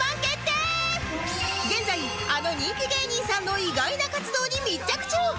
現在あの人気芸人さんの意外な活動に密着中